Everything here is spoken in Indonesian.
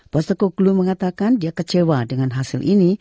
posseko glouge mengatakan dia kecewa dengan hasil ini